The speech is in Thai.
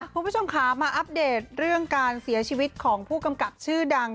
คุณผู้ชมค่ะมาอัปเดตเรื่องการเสียชีวิตของผู้กำกับชื่อดัง